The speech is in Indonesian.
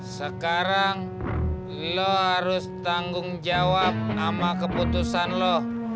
sekarang lo harus tanggung jawab sama keputusan lo